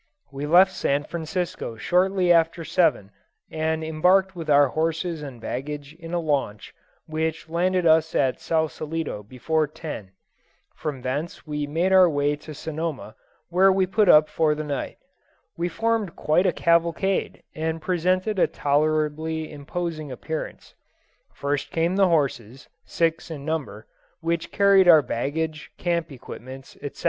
We left San Francisco shortly after seven, and embarked with our horses and baggage in a launch, which landed us at Sausalitto before ten. From thence we made our way to Sonoma, where we put up for the night. We formed quite a cavalcade, and presented a tolerably imposing appearance. First came the horses (six in number), which carried our baggage, camp equipments, etc.